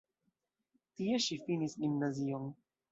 Tie ŝi finis gimnazion.